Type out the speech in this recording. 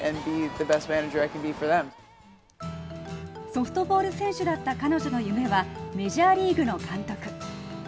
ソフトボール選手だった彼女の夢はメジャーリーグの監督。